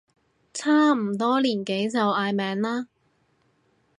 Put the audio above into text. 差唔多年紀就嗌名啦